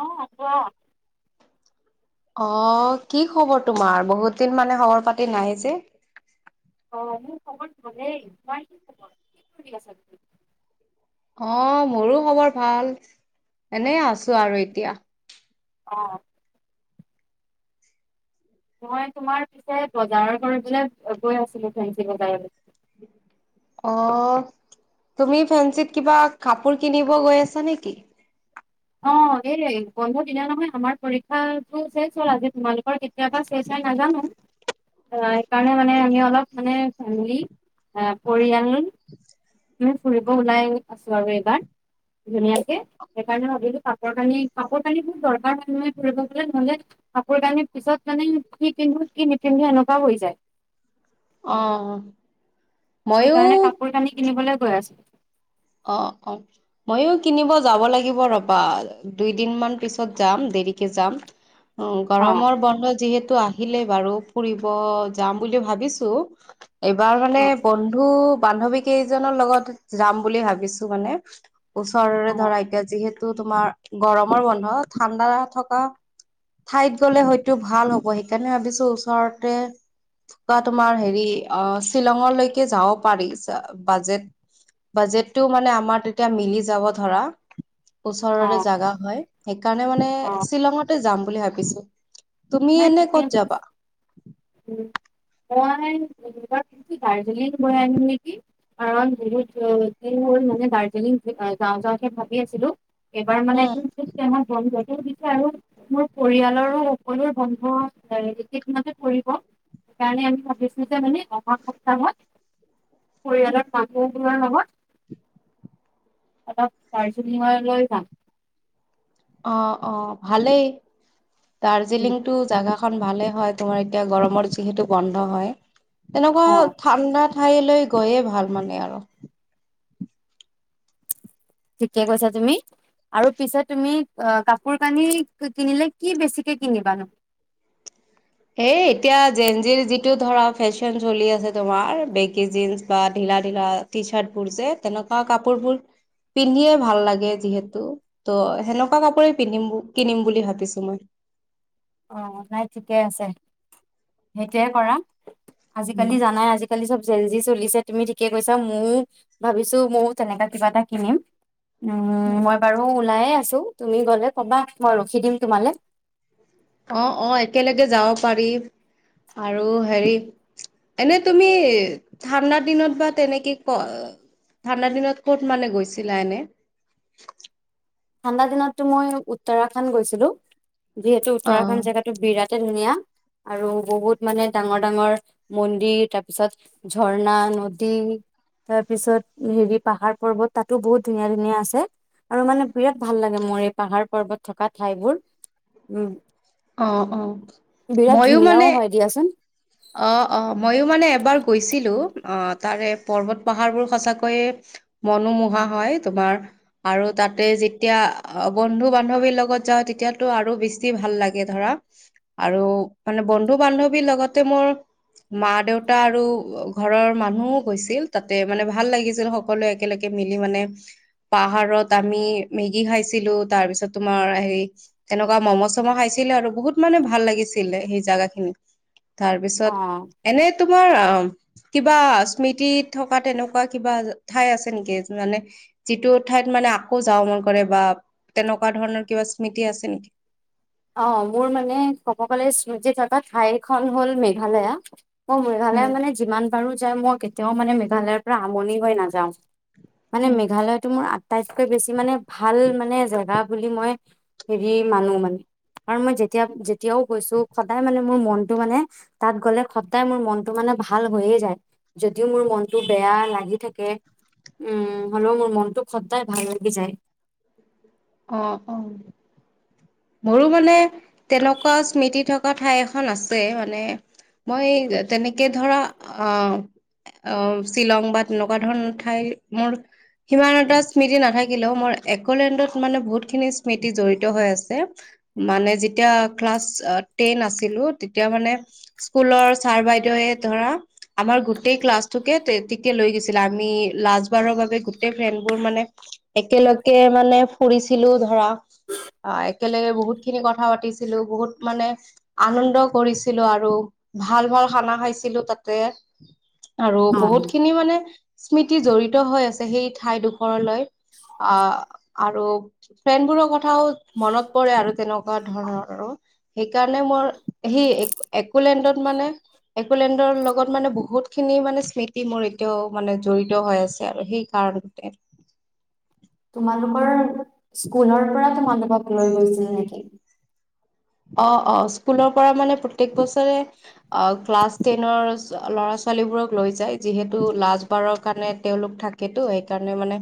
অ' কোৱা। [inaudible] অহ' কি খবৰ তোমাৰ? বহুত দিন মানে খবৰ পাতি নাই যে অ', মোৰ খবৰ ভালেই, তোমাৰ কি খবৰ? কি কৰি আছা তুমি? অ', মোৰো খবৰ ভাল, এনে আছো আৰু এতিয়া। অ'। মই তোমাৰ পিছে বজাৰৰ কৰি পেলাই গৈ আছিলো ফেঞ্চি বজাৰলৈ। অ'। তুমি ফেঞ্চিত কিবা কাপোৰ কিনিব গৈ আছা নেকি? অ', এই বন্ধ দিলে নহয় আমাৰ পৰীক্ষা টো শেষ হ'ল আজি তোমালোকৰ কেতিয়াবা শেষ হয় নাজনু [unintelligible] সেইকাৰণে মানে আমি অলপ মানে ফেমিলি পৰিয়াল [inaudible] [unintelligible] ফুৰিব ওলাই আছো আৰু এইবাৰ, ধুনীয়াকে সেইকাৰণে [unintelligible] কাপোৰ কানি, কাপোৰ কানিবোৰ দৰকাৰ হয় নহয় ফুৰিব গ'লে, নহ'লে কাপোৰ কানি পিছত মানে কি পিন্ধো কি নিপিন্ধো এনেকুৱা হৈ যায়। অ'। ময়ো সেইকাৰণে কাপোৰ কানি কিনিবলৈ গৈ আছো। অ', অ', ময়ো কিনিব যাব লাগিব ৰবা, দুইদিন মান পিছত যাম। দেৰিকে যাম, অ গৰমৰ বন্ধ যিহেতু টো আহিলে বাৰু ফুৰিব যাম বুলি ভাবিছো। এইবাৰ মানে বন্ধু-বান্ধৱী কেইজনৰ লগত যাম বুলি ভাবিছো মানে। ওচৰৰে ধৰা এতিয়া যিহেতু তোমাৰ গৰমৰ বন্ধ, ঠাণ্ডা থকা ঠাইত গ'লে হয়তো ভাল হ'ব, সেইকাৰণে ভাবিছো ওচৰতে বা তোমাৰ হেৰি অ', শ্বিলঙলৈকে যাব পাৰি বাজেট বাজেতটো মানে আমাৰ তেতিয়া মিলি যাব ধৰা। ওচৰৰে অ জাগা হয়, সেইকাৰণে মানে অ শ্বিলঙতে যাম বুলি ভাবিছো। তুমি নাই এনে ঠিকে ক'ত আছে যাবা? মই [unintelligible] গাৰ্জিলিং গৈ আহিম নেকি। কাৰণ [unintelligible] হল মানে, দাৰ্জিলিং যাওঁ যাওঁকে ভাবি আছিলো। উম, এইবাৰ মানে [unintelligible] দিছে আৰু মোৰ পৰিয়ালৰো সকলৰ বন্ধ একেইদিনতে পৰিব। সেইকাৰণে আমি ভাবিছোঁ যে মানে অহা সপ্তাহত পৰিয়ালৰ মানুহবোৰৰ লগত অলপ দাৰ্জিলিং লৈ যাম। অ-অ, ' ভালেই দাৰ্জিলিংটো জাগা খন ভালে হয় তোমাৰ এতিয়া গৰমৰ যিহেতু বন্ধ হয়। অ তেনেকুৱা ঠাণ্ডা ঠাইলৈ গৈয়ে ভাল মানে আৰু কেটিয়া গৈছা তুমি। আৰু পিছে তুমি কাপোৰ কানি কিনিলে কি বেছিকে কিনিবানো? [inaudible] হেই এতিয়া জেিৰ যিটো ধৰা ফেশ্বন চলি আছে তোমাৰ বেকি জন্ বা লালা টি চাৰ্ট বোৰ যে তেনেকুৱা কাপোৰ বোৰ। পিন্ধিয়ে ভাল লাগে যিহেতু ত' সেনেকুৱা কাপোৰেই পিন্ধিম কিনিম বুলি ভাবিছো মই। [inaudible] অ, ' নাই ঠিকে আছে সেইটয়ে কৰা। আজিকালি জানাই আজিকালি চব জেলজি। চলিছে তুমি ঠিকে কৈছা ময়ও ভাবিছো ময়ও তেনেকা কিবা এটা কিনিম। উম, মই বাৰু ওলাইে আছো তুমি গলে কবা মই ৰখি দিম তোমালে। অ-অ, ' একেলগে যাব পাৰি আৰু হেৰি এনে তুমি ঠাণ্ডাৰ দিনত বা তেনেকে ক ঠাণ্ডাৰ দিনত ক'ত মানে গৈছিলা এনে? ঠাণ্ডা দিনততো মই উত্তৰাখণ্ড গৈছিলো যিহেতু অ উত্তৰাখণ্ড জেগাতটো বিৰাট িয়া [unintelligible] আৰু বহুত মানে ডাঙৰ ডাঙৰ মন্দিৰ তাৰপিছত ঝৰ্ণা নদী তাৰ পিছত হেৰি পাহাৰ পৰ্বত তাতো বহুত ধুনীয়া ধুনীয়া আছে আৰু মানে বিৰাট ভাল লাগে মোৰ এই পাহাৰ পৰ্বত থকা ঠাইবোৰ উম, অ-অ', বিৰাট ময়ো ধুনীয়াও মানে হয় দিয়াচোন অ-অ', ময়ো মানে এবাৰ গৈছিলো অ তাৰে পৰ্বত পাহাৰবোৰ সঁচাকৈয়ে। মনোমোহা হয় তোমাৰ আৰু তাতে যেতিয়া বন্ধু বান্ধৱীৰ লগত। যা তেতিয়াতটো আৰু বেছি ভাল লাগে ধৰা আৰু মানে বন্ধু বান্ধৱীৰ লগত মোৰ মা দেউতা আৰু ঘৰৰ মানুহও গৈছিল তাতে মানে ভাল লাগিছিল সকলোৱে একেলগে মিলি মানে, পাহাৰত আমি মেগী খাইছিলো তাৰ পিছত তোমাৰ হে তেনেকুৱা ম'ম' চম' খাইছিলো। আৰু বহুত মানে ভাল লাগিছিলে সেই জোগা খিনি তাৰপিছত অ এনে াৰ অ [unintelligible] কিবা স্মৃতিত থকা তেনেকুৱা কিবা ঠাই আছে নেকি মানে যিটো ঠাইত মানে মানে আকৌ যাওঁ মন কৰে বা তেনেকুৱা ধৰণৰ কিবা স্মৃতি আছে নেকি? অ, ' মোৰ মানে কককালৰ স্মৃতি থকা ঠাইখন হল মেঘালয়। মই মেঘালয় উম মানে যিমান পাৰো যায় মই কেতিয়াও মানে মেঘালয়ৰ পৰা আমনি হৈ নাযাওঁ। মানে উম, মেঘালয়তটো মোৰ আটাইতকৈ বেছি মানে ভাল মানে জেগা। বুলি মই হেৰি মানো মানে কাৰ মই যেতিয়া যেতিয়াও গৈছো সদায় মানে মোৰ মনতটো মানে তাত গ'লে সদায় মোৰ মনতটো মান মানে ভাল হৈয়ে যায় যদিও মোৰ মনতটো বেয়া লাগি থাকে। উম, হলেও মোৰ মনটো খদদায় ভাল লাগি যায়। অ'-অ'। মোৰো মানে তেনেকুৱা স্মৃতি থকা ঠাই এখন আছে মানে। মই তেনেকে ধৰা আ অ' শ্বিলং বা তেনেকুৱা ধৰণৰ ঠাই মোৰ সিমান এটা স্মৃতি নাথাকিলেও মোৰ একলেণ্ডত। মোৰ মানে বহুত খিনি স্মৃতি জৰিত হৈ আছে মানে যেতিয়া ক্লাছ টেন আছিল। লু তেতিয়া মানে স্কুলৰ ছাৰ বাইদেউৱে ধৰা আমাৰ গোটেই ক্লাছটোকে তে-তোক লৈ গৈছিলে আমি লাষ্টবাৰৰ বাবে গোটেই ফ্ৰেণ্ডবোৰ মানে একেলগে মানে। ফুৰিছিলো ধৰা অ একেলগে বহুতখিনি কথা পাতিছিলো, বহুত মানে আনন্দ কৰিছিলো আৰু ভাল ভাল খানা খাইছিলো তাতে আৰু অ বহুতখিনি মানে স্মৃতি জড়িত হৈ আছে সেই ঠাইডোখৰলৈ আহ আৰু ফ্ৰেণ্ডবোৰৰ কথাও মনত পৰে আৰু তেনেকুৱা ধৰণৰ আৰু সেইকাৰণে ম কৰ সেই এ একোলেণ্ডত মানে, একোলেণ্ডৰ লগত মানে বহুতখিনি মানে স্মৃত মোৰ এতিয়াও মানে জড়িত হৈ আছে আৰু সেই কাৰণতে। তোমালোকৰ স্কুলৰ পৰা তোমালোকক লৈ গৈছিল নেকি? অ', অ', স্কুলৰ পৰা মানে প্ৰত্যেক বছৰে অ', ক্লাছ টেনৰ ল'ৰা ছোৱালীবোৰক লৈ যায় যিহেতু লাষ্টবাৰৰ কাৰণে তেওঁলোক থাকেতো সেইকাৰণে মানে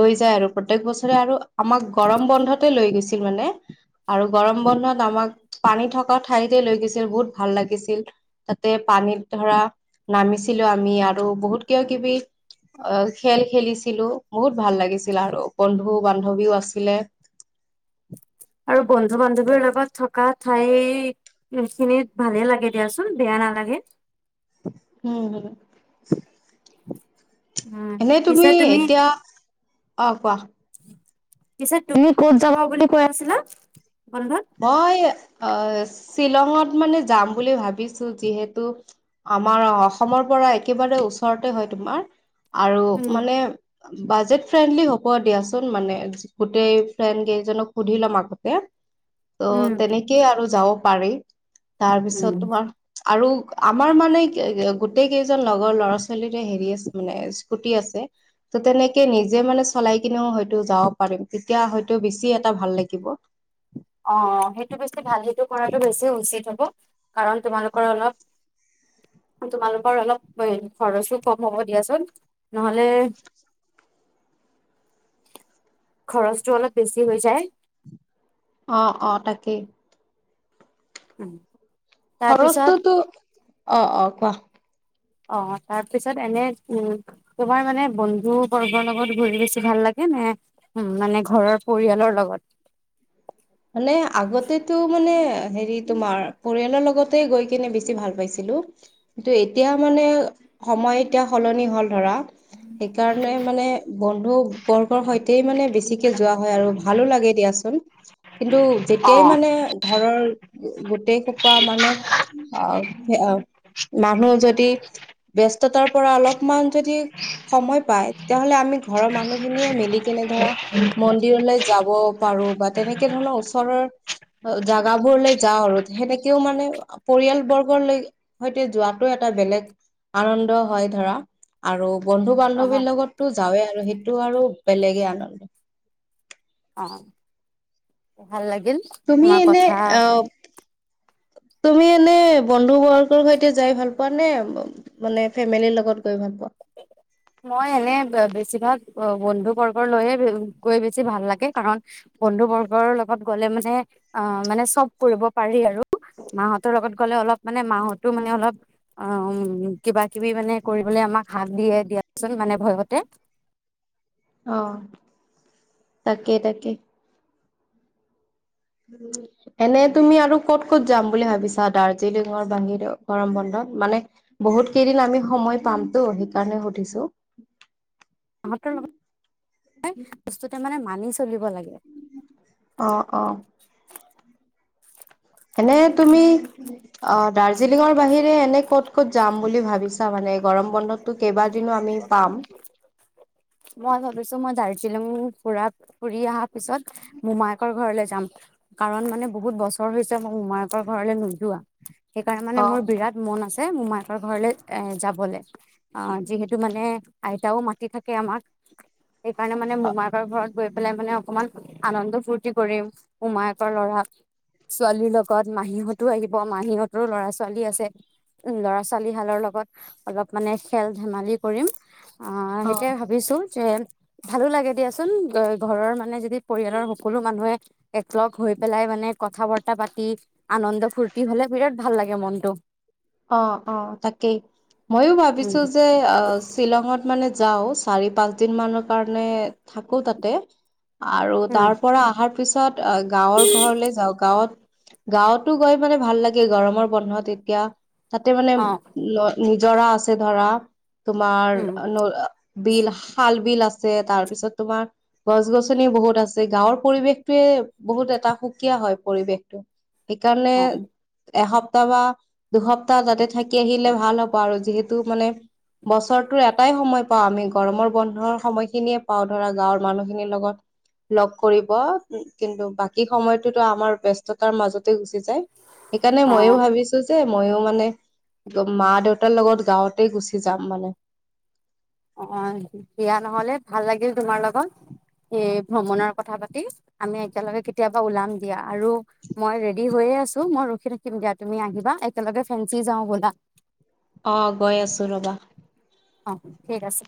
লৈ যায়। আৰু প্ৰত্যেক বছৰে আৰু আমাক গৰম বন্ধতে লৈ গৈছিল মানে আৰু গৰম বন্ধত আমাক পানী থকা ঠাইতে লৈ গৈছিল, বহুত ভাল লাগিছিল। তাতে পানীত ধৰা নামিছিলো আমি আৰু বহুত কিবা কিবি অ', খেল খেলিছিলো বহুত ভাল লাগিছিল আৰু বন্ধু বান্ধৱীও আছিলে। [inaudible] আৰু বন্ধু বান্ধৱীৰ লগত থকা ঠাই এইখিনিত ভালে লাগে দিয়াচোন, বেয়া নালাগে। উম, হো। উম এনেই তুমি পিছে এতিয়া, অ', কোৱা? পিছে তুমি ক'ত যাবা বুলি কৈ আছিলা? বন্ধত অ', এই [unintelligible] শ্বিলঙত মানে যাম বুলি ভাবিছো যিহেতু, আমাৰ অসমৰ পৰা একেবাৰে ওচৰতে হয় তোমাৰ আৰু উম মানে বাজেট ফ্ৰেণ্ডলি হ'ব দিয়াচোন মানে, গোটেই ফ্ৰেণ্ডকেইজনক সুধি ল'ম আগতে। উম ত' তেনেকেই আৰু যাব পাৰি উম তাৰপিছত তোমাৰ আৰু আমাৰ মানে কি গোটেই কেইজন লগৰ ল'ৰা ছোৱালীৰে হেৰি আছে মানে স্কুটি আছে। ত', তেনেকে নিজে মানে চলাই কিনেও হয়তো যাব পাৰিম, তেতিয়া হয়তো বেছি এটা ভাল লাগিব। অ' সেইটো বেছি ভাল, সেইটো কৰাটো বেছি উচিত হ'ব। কাৰণ তোমালোকৰ অলপ কাৰণ তোমালোকৰ অলপ এ, খৰচো কম হ'ব দিয়াচোন, নহ'লে [inaudible] খৰচটো অলপ বেছি হৈ যায়। অ' অ' তাকেই। উম। খৰচটোতো অ'অ'কোৱা? অ' তাৰপিছত এনে উম, তোমাৰ মানে বন্ধুবৰ্গৰ লগত ঘূৰি আছোঁ ভাল লাগে? এই নাই মানে ঘৰৰ পৰিয়ালৰ লগত। [inaudible] মানে আগতেতো মানে হেৰি তোমাৰ পৰিয়ালৰ লগতে গৈ কিনে বেছি ভাল পাইছিলোঁ। কিন্তু এতিয়া মানে সময় এতিয়া সলনি হ'ল ধৰা। সেইকাৰণে মানে বন্ধুবৰ্গৰ সৈতে মানে বেছিকে যোৱা হয় আৰু ভালো লাগে দিয়াচোন। কিন্তু যেতিয়াই অ'। মানে ঘৰৰ গোটেই সোপা মানে অ'মানুহ যদি ব্যস্ততাৰ পৰা অলপমান যদি সময় পায়, তেতিয়াহ'লে আমি ঘৰৰ মানুহ খিনিয়ে মিলি কেনে ধৰা মন্দিৰলৈ যাব পাৰোঁ বা তেনেকে কে ধৰণৰ ওচৰৰ জেগাবোৰলৈ যাওঁ আৰু সেনেকেও মানে পৰিয়ালবৰ্গ লৈয় সৈতে যোৱাতটো এটা বেলেগ আনন্দ হয় ধৰা, আৰু বন্ধু অ', বান্ধৱীৰ লগতো যাৱে আৰু সেইটো আৰু বেলেগে আনন্দ। অ' ভাল লাগে। তুমি এনে অ' তুমি এনে বন্ধু-বৰ্গৰ সৈতে যাই ভাল পোৱা নে মানে ফেমিলিৰ লগত গৈ ভাল পোৱা মই এনে, বেছিভাগ বন্ধু-বৰ্গৰ লৈয়ে গৈ বেছি ভাল লাগে কাৰণ বন্ধু-বৰ্গৰ লগত গ'লে মানে আ, মানে চব কৰিব পাৰি আৰু মা হতৰ লগত গ'লে অলপ মানে মা হতো মানে অলপ অ' কিবা-কিবি মানে কৰিবলে আমাক হাক দিয়ে দিয়াচোন মানে ভয়তে অ', তাকেই তাকেই। এনে তুমি আৰু ক'ত ক'ত যাম বুলি ভাবিছা দাৰ্জিলিঙৰ বাহিৰেও গৰম বন্ধত? মানে বহুত কেইদিন আমি সময় পামতো সেইকাৰণে সুধিছো। [unintelligible] লগত বস্তুটো মানে মানি চলিব লাগে। অ', অ'। এনে তুমি অ', দাৰ্জিলিঙৰ বাহিৰে এনে ক'ত ক'ত যাম বুলি ভাবিছা। মানে গৰম বন্ধতটো কেইবাদিনো আমি পাম [unintelligible] মই ভাবিছো মই। শ্বিলং ফুৰা ফুৰি অহা পিছত মোমায়েকৰ ঘৰলৈ যাম, কাৰণ মানে বহুত বছৰ। বছৰ হৈছে মই মোমায়কৰ ঘৰলৈ নোযোৱা। সেইকাৰণে অ মানে মোৰ বিৰাট মন আছে মোমায়েকৰ ঘৰলে এ যাবলে। অ', যিহেতু মানে আইতাও মাতি থাকে আমাক সেইকাৰণে মানে মোমায়েকৰ ঘৰত। গৈ পেলাই মানে অকমান আনন্দ ফুৰ্তি কৰিম মোমায়েকৰ ল'ৰা। ছোৱালীৰ লগত মাহীহঁতো আহিব মাহীহঁতৰো ল'ৰা-ছোৱালী আছে। উম, ল'ৰা-ছোৱালী হালৰ লগত অলপ। মানে খেল-ধেমালি কৰিম সেইটোৱেই অ ভাবিছোঁ। যে ভালো লাগে দিয়াচোন, ঘৰৰ মানে যদি পৰিয়ালৰ সকলো মানুহে একলগ হৈ পেলাই মানে কথা বাৰ্তা পাতি আনন্দ ফূৰ্তি হ'লে বিৰাট ভাল লাগে মনটো। অ', অ', তাকেই ময়ো উম, ভাবিছো যে অ' শ্বিলঙত মানে যাওঁ চাৰি পাঁচ দিন মানৰ কাৰণে থাকো তাতে। আৰু উম, তাৰ পৰা অহাৰ পিছত গাঁৱৰ ঘৰলৈ যাওঁ, গাঁৱত গাঁৱতো গৈ মানে ভাল লাগে, গৰমৰ বন্ধত এতিয়া তাতে মানে অ', ন জৰা আছে ধৰা তোমাৰ উম, বিল-শাল বিল আছে তাৰপিছত তোমাৰ গছ-গছনি বহুত আছে, গাঁৱৰ পৰিৱেশটোৱে বহুত এটা সুকীয়া হয় পৰিৱেশটো। সেইকাৰণে অ', এসপ্তাহ বা দুসপ তাতে থাকি আহিলে ভাল হ'ব আৰু যিহেতু মানে বছৰটোৰ এটাই সময় পাওঁ, আমি গৰমৰ বন্ধৰ সময়খিনিয়ে পাওঁ ধৰা গাঁৱৰ মানুহখিনিৰ লগত। লগ কৰিব, কিন্তু বাকী সময়তোতো আমাৰ ব্যস্ততাৰ মাজতে গুচি [unintelligible] সেইকাৰণে ময়ো অ', ভাবিছো যে ময়ো মান মানে মা-দেউতাৰ লগত গাঁৱতে গুচি যাম মানে অ', দিয়া নহ'লে ভাল লাগিল তোমাৰ লগত। এই ভ্ৰমণৰ কথা পাতি আমি একেলগে কেতিয়াবা ওলাম দিয়া, আৰু মই ৰেডি হৈ [unintelligible] আছো মই ৰখি থাকিম দিয়া তুমি আহিবা একেলগে ফেঞ্চি যাওঁ ব'লা। অ', গৈ আছোঁ ৰ'বা। অ', ঠিক আছে।